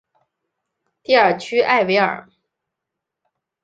蒂尔屈埃维尔。